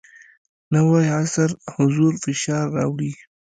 نوی عصر حضور فشار راوړی.